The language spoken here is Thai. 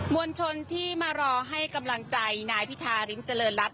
วลชนที่มารอให้กำลังใจนายพิธาริมเจริญรัฐ